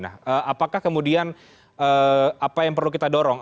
nah apakah kemudian apa yang perlu kita dorong